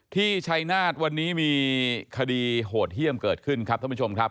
ชัยนาธวันนี้มีคดีโหดเยี่ยมเกิดขึ้นครับท่านผู้ชมครับ